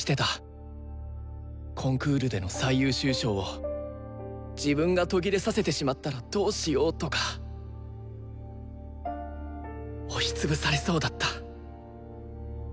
コンクールでの最優秀賞を「自分が途切れさせてしまったらどうしよう」とか押しつぶされそうだった。